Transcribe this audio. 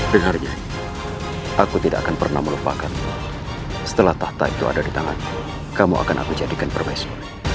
dengarnya aku tidak akan pernah melupakan setelah tahta itu ada di tanganmu akan aku jadikan permaesmu